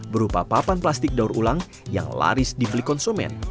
berupa papan plastik daur ulang yang laris dibeli konsumen